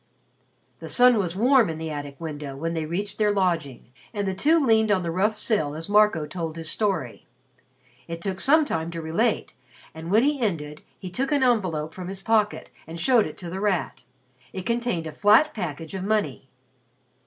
The sun was warm in the attic window when they reached their lodging, and the two leaned on the rough sill as Marco told his story. It took some time to relate; and when he ended, he took an envelope from his pocket and showed it to The Rat. It contained a flat package of money.